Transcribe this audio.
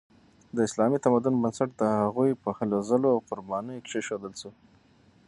د اسلامي تمدن بنسټ د هغوی په هلو ځلو او قربانیو کیښودل شو.